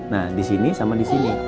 nah di sini sama di sini